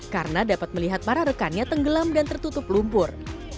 karena dapat melihat para rekannya tenggelam dan tertutup lumpur